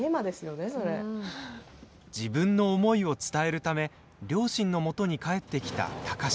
自分の思いを伝えるため両親のもとに帰ってきた貴司。